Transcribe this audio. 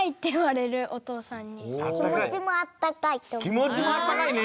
きもちもあったかいね！